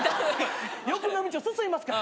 欲の道を進みますから。